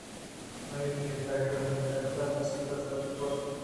آئیءَ جیوپیٹرءَہمے درگتءَدستءُ دزبندی کُت